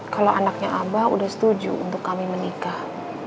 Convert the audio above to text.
kalau anaknya abah udah setuju untuk kami menikah